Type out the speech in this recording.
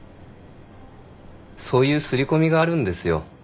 そういう刷り込みがあるんですよ。